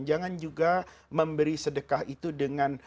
jangan juga memberi sedekah itu dengan